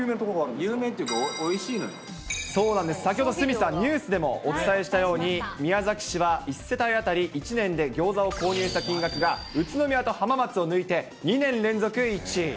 有名っていうか、おいしいのそうなんです、先ほど鷲見さん、ニュースでもお伝えしたように、宮崎市は１世帯当たり、１年でギョーザを購入した金額が、宇都宮と浜松を抜いて２年連続１位。